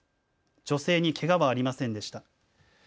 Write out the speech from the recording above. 女性にけがはありませんでした。